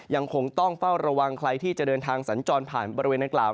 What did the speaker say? ยังคงต้องเฝ้าระวังใครที่จะเดินทางสัญจรผ่านบริเวณดังกล่าว